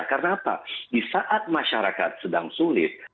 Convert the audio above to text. karena apa di saat masyarakat sedang sulit